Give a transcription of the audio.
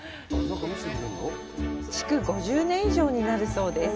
築５０年以上になるそうです。